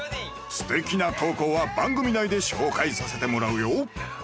すてきな投稿は番組内で紹介させてもらうよ